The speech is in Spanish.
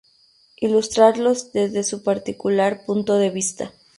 ilustrarlos desde su particular punto de vista